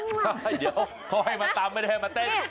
ใช่เดี๋ยวเขาให้มาตำไม่ได้ให้มาเต้น